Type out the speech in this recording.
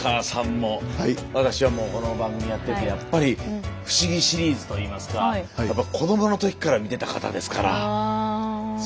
私はもうこの番組やっててやっぱり不思議シリーズといいますかやっぱり子供の時から見てた方ですから。